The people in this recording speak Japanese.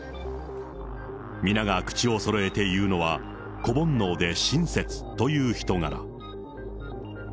皆が口をそろえて言うのは、子煩悩で親切という人柄。